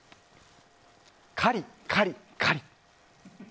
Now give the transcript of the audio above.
カリカリカリ。